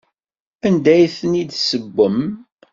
Anda ay ten-id-tessewwem?